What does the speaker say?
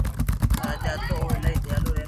راجا ھتو او ايلائي ديالو رحمدل